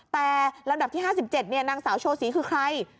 แต่ลำดับที่๕๗นางสาวโชศรีคือใคร